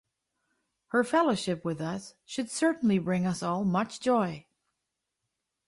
Her fellowship with us should certainly bring us all much joy.